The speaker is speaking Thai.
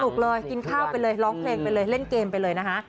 เลยกินข้าวไปเลยร้องเพลงไปเลยเล่นเกมไปเลยนะคะ